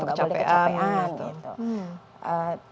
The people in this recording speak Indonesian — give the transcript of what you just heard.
nggak boleh kecapean gitu